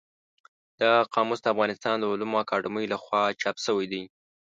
دا قاموس د افغانستان د علومو اکاډمۍ له خوا چاپ شوی دی.